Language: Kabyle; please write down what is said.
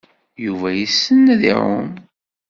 Yuba yessen ad iɛum.